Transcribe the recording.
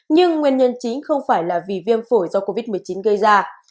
nhưng nguyên nhân chính không phải là vì viêm phổi do covid một mươi chín gây ra